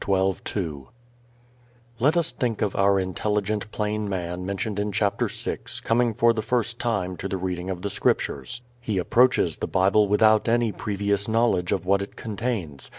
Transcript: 12:2 Let us think of our intelligent plain man mentioned in chapter six coming for the first time to the reading of the Scriptures. He approaches the Bible without any previous knowledge of what it contains.